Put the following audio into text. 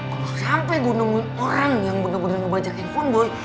kalau sampai gue nemuin orang yang bener bener ngebajak handphone boy